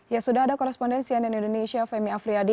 ya sudah ada korespondensi ann indonesia femi afriyadi